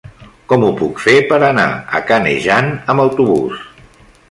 Com ho puc fer per anar a Canejan amb autobús?